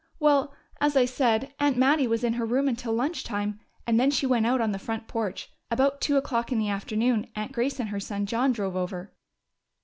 Well, as I said, Aunt Mattie was in her room until lunch time, and then she went out on the front porch. About two o'clock in the afternoon Aunt Grace and her son John drove over."